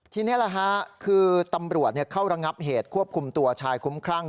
ทีนี้คือตำรวจเข้าระงับเหตุควบคุมตัวชายคุ้มครั่ง